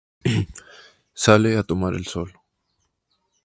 Sale a tomar sol.